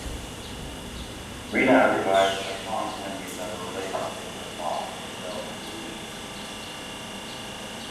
Rena realizes that her "fond" memories of her relationship with her father were self-delusions.